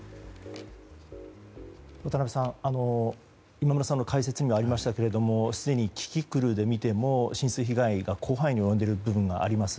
渡辺さん、今村さんの解説にもありましたけどすでにキキクルで見ても浸水被害が広範囲に及んでいるところがあります。